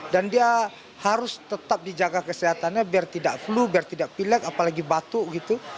dia harus tetap dijaga kesehatannya biar tidak flu biar tidak pilek apalagi batuk gitu